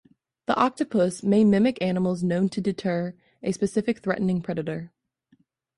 The octopus may mimic animals known to deter a specific threatening predator.